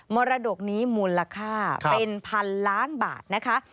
มรดกนี้มูลค่าเป็นพันล้านบาทนะคะ